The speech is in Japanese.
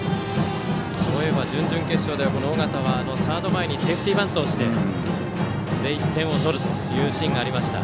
準々決勝では尾形はサード前にセーフティーバントをして１点を取るというシーンがありました。